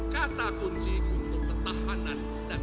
kata kunci untuk ketahanan dan kebangkitan ekonomi